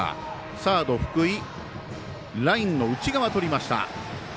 サード、福井ラインの内側とりました。